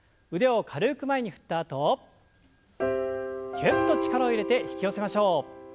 腕を軽く前に振ったあとギュッと力を入れて引き寄せましょう。